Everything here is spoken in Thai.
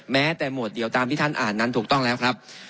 แม้แต่หมวดเดียวตามที่ท่านอ่านนั้นถูกต้องแล้วครับ